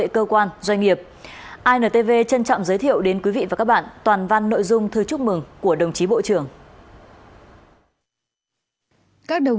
cảm ơn các bạn